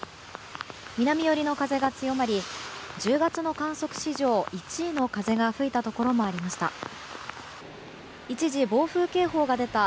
南寄りの風が強まり１０月の観測史上１位の風が吹いたところもありました。